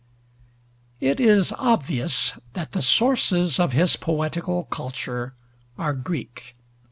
It is obvious that the sources of his poetical culture are Greek.